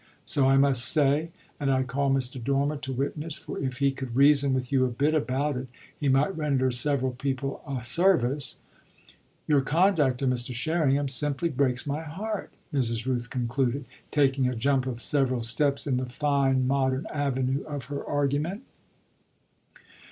So I must say and I call Mr. Dormer to witness, for if he could reason with you a bit about it he might render several people a service your conduct to Mr. Sherringham simply breaks my heart," Mrs. Rooth concluded, taking a jump of several steps in the fine modern avenue of her argument.